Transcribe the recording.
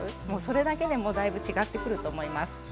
もうそれだけでもだいぶ違ってくると思います。